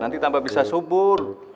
nanti tambah bisa subur